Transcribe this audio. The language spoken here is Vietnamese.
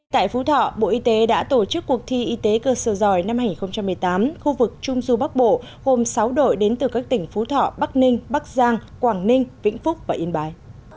tại phú thọ bộ y tế đã tổ chức cuộc thi y tế cơ sở giỏi năm hai nghìn một mươi tám khu vực trung du bắc bộ gồm sáu đội đến từ các tỉnh phú thọ bắc ninh bắc giang quảng ninh vĩnh phúc và yên bái